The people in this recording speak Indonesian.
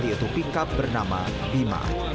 yaitu pickup bernama bima